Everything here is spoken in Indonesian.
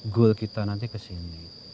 goal kita nanti ke sini